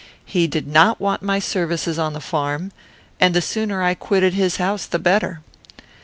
He did not want my services on the farm, and the sooner I quitted his house the better.